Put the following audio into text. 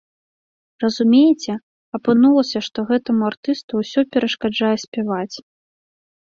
Разумееце, апынулася, што гэтаму артысту ўсё перашкаджае спяваць.